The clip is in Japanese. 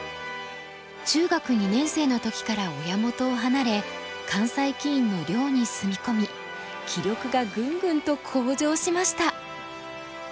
中学２年生の時から親元を離れ関西棋院の寮に住み込み棋力がグングンと向上しました。